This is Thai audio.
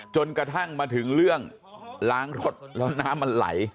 จนกระทั่งมาถึงเรื่องล้างรถแล้วน้ำมันไหล